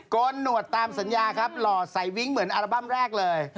โกนหนวดตามสัญญาหล่อใส่วิ้งเหมือนอาร์บัมแรกเลย